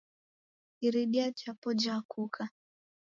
Iridia japo jakuka.